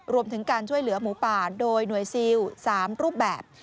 รวมถึงการช่วยเหลือหมูป่าโดยหน่วยซิล๓รูปแบบ